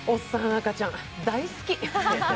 赤ちゃん、大好き。